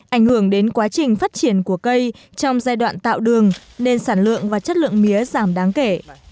ảnh hưởng đến quá trình phát triển của cây trong giai đoạn tạo đường nên sản lượng và chất lượng mía giảm đáng kể